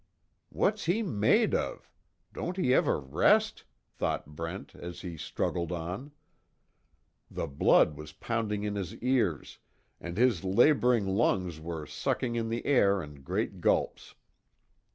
"What's he made of? Don't he ever rest?" thought Brent, as he struggled on. The blood was pounding in his ears, and his laboring lungs were sucking in the air in great gulps.